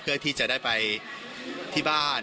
เพื่อที่จะได้ไปที่บ้าน